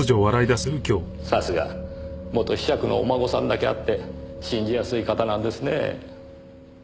さすが元子爵のお孫さんだけあって信じやすい方なんですねぇ。